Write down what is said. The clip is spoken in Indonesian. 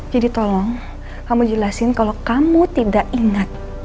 jadi tolong kamu jelasin kalau kamu tidak ingat